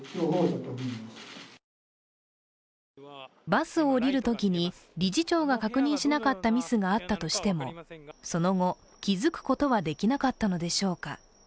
バスを降りるときに理事長が確認しなかったミスがあったとしてもその後、気づくことはできなかったのでしょうか。